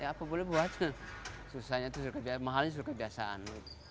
ya ya apa boleh buat susahnya itu sudah kebiasaan mahalnya sudah kebiasaan